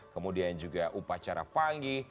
kemudian juga upacara panggi